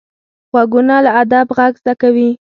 غوږونه له ادب غږ زده کوي